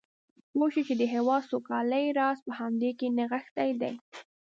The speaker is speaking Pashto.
پوه شو چې د هېواد سوکالۍ راز په همدې کې نغښتی دی.